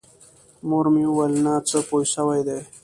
مور مې وويل نه څه پې سوي دي.